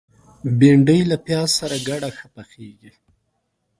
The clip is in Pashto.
بېنډۍ له پیاز سره ګډه ښه پخیږي